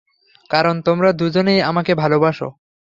কারণ তোমরা দুজনেই আমাকে ভালোবাসো।